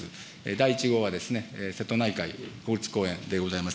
第１号は瀬戸内海国立公園でございます。